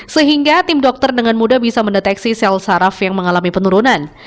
sehingga tim dokter dengan mudah bisa mendeteksi sel saraf yang mengalami penurunan